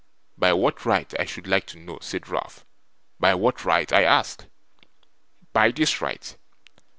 'By what right I should like to know,' said Ralph. 'By what right I ask?' 'By this right.